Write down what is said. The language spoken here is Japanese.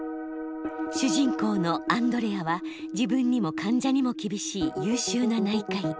主人公のアンドレアは自分にも患者にも厳しい優秀な内科医。